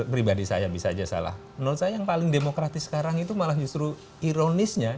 pribadi saya bisa aja salah nol sayang paling demokratis sekarang itu malah justru ironisnya